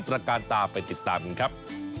จากการตามไปติดตามครับ